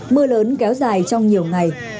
mưa lớn kéo dài trong nhiều ngày